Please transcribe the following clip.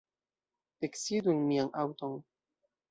Eksidu en mian aŭton.